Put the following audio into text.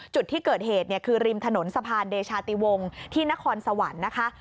จุดที่เกิดเหตุเนี่ยคือริมถนนสะพานเดชาติวงที่นครสวรรค์นะคะ